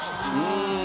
うん。